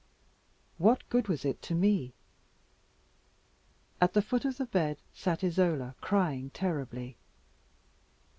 What good was it to me? At the foot of the bed, sat Isola crying terribly.